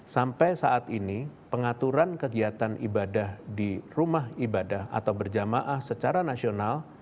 sampai saat ini pengaturan kegiatan ibadah di rumah ibadah atau berjamaah secara nasional